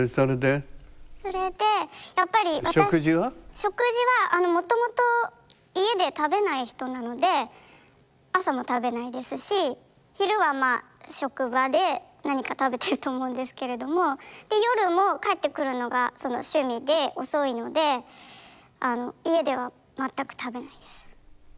食事はもともと家で食べない人なので朝も食べないですし昼はまあ職場で何か食べてると思うんですけれどもで夜も帰ってくるのがその趣味で遅いので家では全く食べないです。